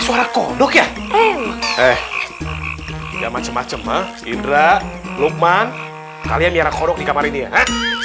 suara kondok ya eh nggak macem macem ha indra lukman kalian biar kondok di kamar ini ya